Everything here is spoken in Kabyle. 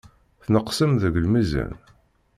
Tneqsem deg lmizan.